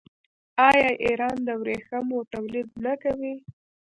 آیا ایران د ورېښمو تولید نه کوي؟